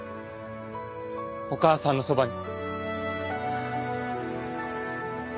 お母さんのそばに。